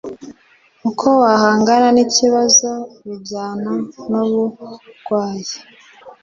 uko wahangana n’ibibazo bijyana n’uburwaya